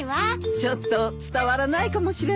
ちょっと伝わらないかもしれないよ。